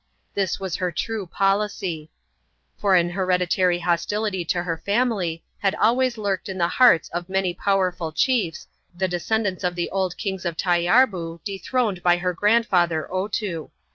This was her true policy ; for an hereditary hostility to her family had always lurked in the hearts of many powerful chiefs, the descendants of the old Kings of Taiarboo, dethroned by her grandfather Otoo.